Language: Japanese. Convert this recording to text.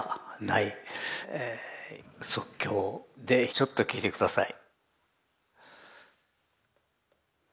即興でちょっと聴いて下さい。